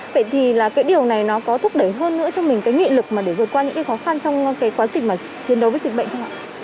vậy thì cái điều này nó có thúc đẩy hơn nữa cho mình cái nghị lực để vượt qua những khó khăn trong quá trình chiến đấu với dịch bệnh không ạ